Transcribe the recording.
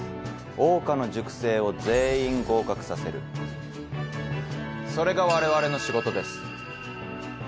桜花の塾生を全員合格させるそれが我々の仕事です。